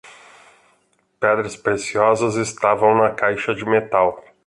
Pedras preciosas estavam na caixa de metal.